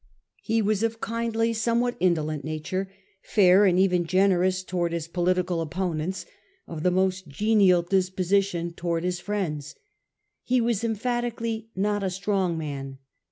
He was of kindly, somewhat indolent nature; fair and even generous towards his political opponents ; of the most genial disposition towards his friends. He was emphatically not a strong man.